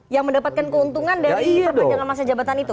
yang mendapatkan keuntungan dari perpanjangan masa jabatan itu